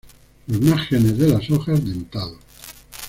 Los márgenes de las hojas dentados.